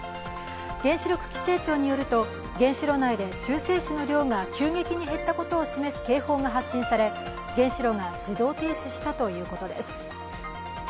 原子力規制庁によると原子炉内で中性子の量が急激に減ったことを示す警報が発信され原子炉が自動停止したということです。